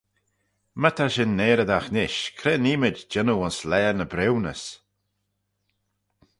My ta shin neareydagh nish, cre neemayd jannoo ayns laa ny briwnys.